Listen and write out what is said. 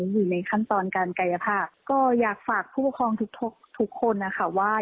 อยู่ในขั้นตอนการกายภาพก็อยากฝากผู้ปกครองทุกทุกทุกคนนะคะว่า